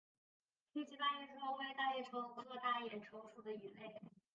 黑鳍大眼鲷为大眼鲷科大眼鲷属的鱼类。